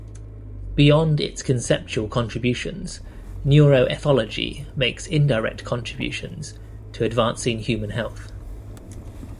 Beyond its conceptual contributions, neuroethology makes indirect contributions to advancing human health.